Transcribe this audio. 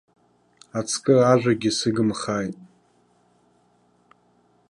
Ацкы ажәагьы сыгымхааит.